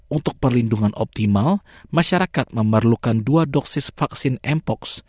untuk perlindungan optimal masyarakat memerlukan dua doksis vaksin empox